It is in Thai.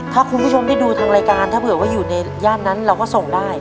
ถ้าคุณผู้ชมได้ดูทางรายการถ้าเผื่อว่าอยู่ในย่านนั้นเราก็ส่งได้